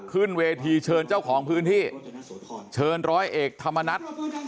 ขึ้นเวทีเชิญเจ้าของพื้นที่เชิญร้อยเอกธรรมนัฐ